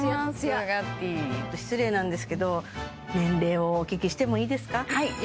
ウガッティーちょっと失礼なんですけど年齢をお聞きしてもいいですか？